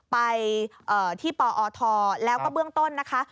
ไปที่ปอทแล้วก็เบื้องต้นนะคะ